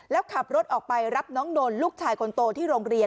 แล้วขับรถออกไปรับน้องนนท์ลูกชายคนโตที่โรงเรียน